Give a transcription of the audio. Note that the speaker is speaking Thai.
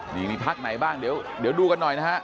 นี่มีพักไหนบ้างเดี๋ยวดูกันหน่อยนะฮะ